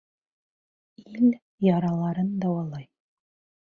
Ил яраларын дауалай.